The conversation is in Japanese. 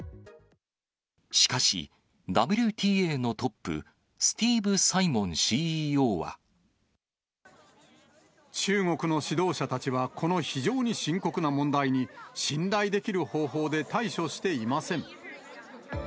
しかし、ＷＴＡのトップ、中国の指導者たちは、この非常に深刻な問題に信頼できる方法で対処していません。